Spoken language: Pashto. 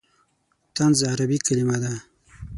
طنز عربي کلمه ده.